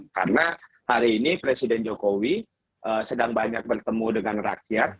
karena hari ini presiden jokowi sedang banyak bertemu dengan rakyat